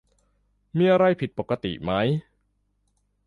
มีอะไรผิดปกติไหม